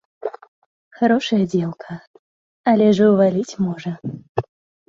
Харошая дзеўка, але ж і ўваліць можа!